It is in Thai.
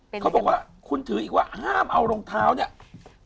เขาบอกว่าคุณถืออีกว่าห้ามเอารองเท้าเนี่ย